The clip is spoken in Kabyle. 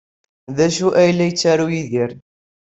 D acu ay la yettaru Yidir?